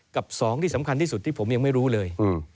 กับ๒ที่สำคัญที่สุดที่ผมยังไม่รู้เลย